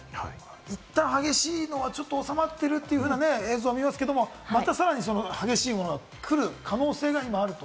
いったん激しいのはちょっと収まってるというような映像がありますけれども、またさらに激しいものが来る可能性が今あると。